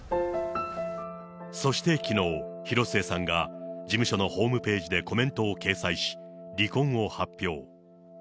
そしてきのう、広末さんが事務所のホームページでコメントを掲載し、離婚を発表。